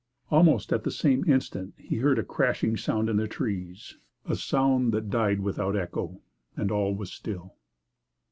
Almost at the same instant he heard a crashing sound in the trees a sound that died without an echo and all was still.